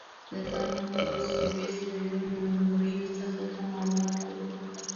• د کنفوسیوس د ژوند لومړیو څخه کم معلومات لرو.